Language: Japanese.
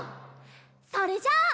それじゃあ。